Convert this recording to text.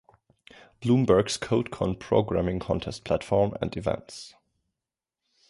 Bloomberg's CodeCon programming contest platform and events.